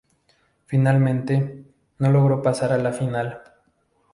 Finalmente, no logró pasar a la final.